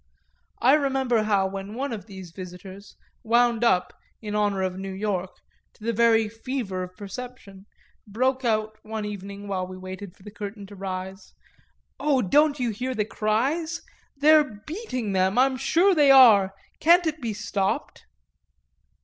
I remember how when one of these visitors, wound up, in honour of New York, to the very fever of perception, broke out one evening while we waited for the curtain to rise, "Oh don't you hear the cries? They're beating them, I'm sure they are; can't it be stopped?"